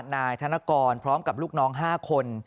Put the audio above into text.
นายธนกรพร้อมกับลูกน้อง๕คน